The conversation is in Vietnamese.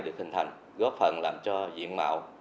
được hình thành góp phần làm cho diện mạo